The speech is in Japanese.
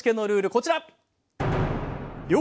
こちら！